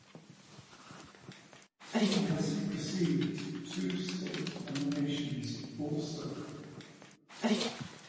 He has received two state nominations also.